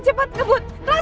tapi mereka juga menangkapnya